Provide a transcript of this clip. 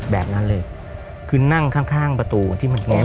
แบบนั้นเลยคือนั่งข้างข้างประตูที่มันแง